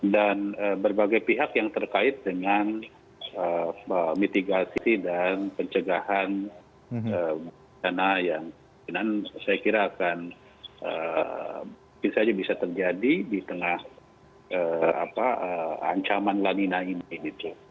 dan berbagai pihak yang terkait dengan mitigasi dan pencegahan bencana yang saya kira akan bisa terjadi di tengah ancaman lanina ini